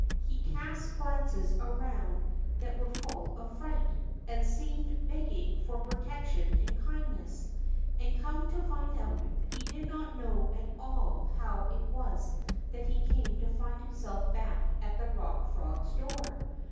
He cast glances around that were full of fright, and seemed beg ging for protection and kindness. And come to find oiit, he did not know at all how it was that he came to find himself back at the Rock Frog's door.